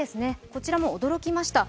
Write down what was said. こちらも驚きました。